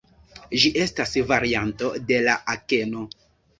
Ĝi estas varianto de la akeno.